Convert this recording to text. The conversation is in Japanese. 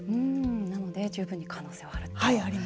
なので十分に可能性はあると。